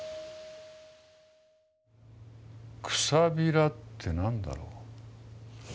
「くさびら」って何だろう。